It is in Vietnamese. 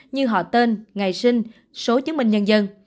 như họ tên ngày sinh số chứng minh nhân dân